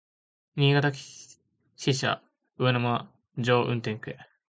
新潟支社上沼垂運転区